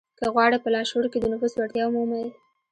که غواړئ په لاشعور کې د نفوذ وړتيا ومومئ.